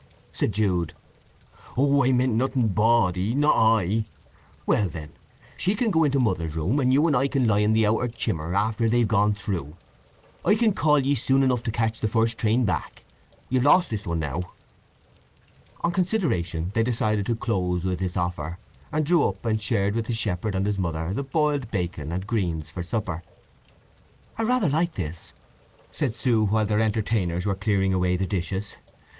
said Jude. "Oh—I meant nothing ba'dy—not I! Well then, she can go into Mother's room, and you and I can lie in the outer chimmer after they've gone through. I can call ye soon enough to catch the first train back. You've lost this one now." On consideration they decided to close with this offer, and drew up and shared with the shepherd and his mother the boiled bacon and greens for supper. "I rather like this," said Sue, while their entertainers were clearing away the dishes.